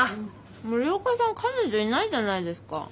森岡さん彼女いないじゃないですか。